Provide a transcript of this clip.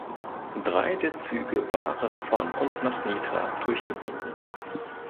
Drei der Züge waren von und nach Nitra durchgebunden.